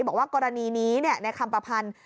บอกว่ากรณีนี้ในคำประพันธ์